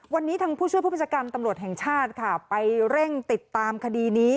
วันนี้ทางผู้ช่วยผู้ประชาการตำรวจแห่งชาติค่ะไปเร่งติดตามคดีนี้